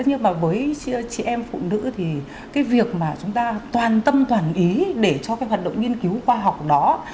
nhưng mà với chị em phụ nữ thì cái việc mà chúng ta toàn tâm toàn ý để cho cái hoạt động nghiên cứu khoa học đó